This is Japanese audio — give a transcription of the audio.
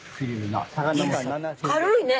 軽いね。